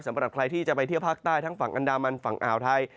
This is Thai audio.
สำหรับใครที่จะไปเที่ยวภาคใต้ทั้งฝั่งอันดามันฝั่งอ่าวไทย